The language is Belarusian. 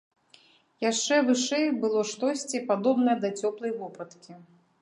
Яшчэ вышэй было штосьці, падобнае да цёплай вопраткі.